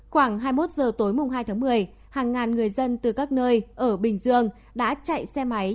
khoảng hai mươi một giờ tối mùng hai tháng một mươi hàng ngàn người dân từ các nơi ở bình dương đã chạy xe máy